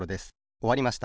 おわりました。